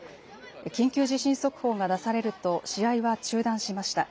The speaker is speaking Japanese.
緊急地震速報が出されると試合は中断しました。